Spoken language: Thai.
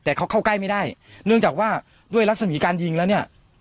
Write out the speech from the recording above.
แต่เขาเข้าใกล้ไม่ได้เนื่องจากว่าด้วยลักษณะการยิงแล้วเนี่ย